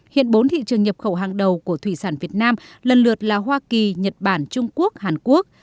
hiện bốn thị trường nhập khẩu hàng đầu của thủy sản việt nam lần lượt là hoa kỳ nhật bản trung quốc hàn quốc